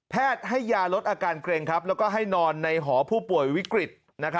ให้ยาลดอาการเกร็งแล้วก็ให้นอนในหอผู้ป่วยวิกฤต